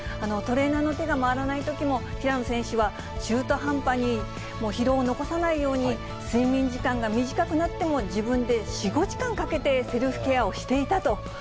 トレーナーの手が回らないときも、平野選手は中途半端に疲労を残さないように、睡眠時間が短くなっても、自分で４、５時間かけてセルフケアをしていたと。